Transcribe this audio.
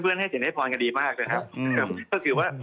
เพื่อนให้เสียงให้พรกันดีมากเลยครับก็คือว่า